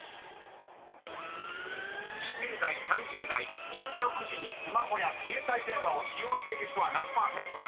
［２０代３０代入浴時にスマホや携帯電話を使用している人は何％か］